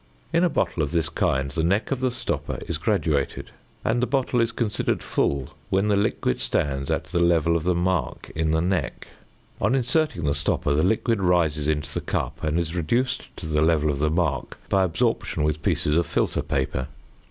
In a bottle of this kind the neck of the stopper is graduated, and the bottle is considered full when the liquid stands at the level of the mark in the neck. On inserting the stopper, the liquid rises into the cup, and is reduced to the level of the mark by absorption with pieces of filter paper. [Illustration: FIG.